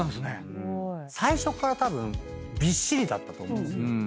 最初からたぶんびっしりだったと思うんですよ。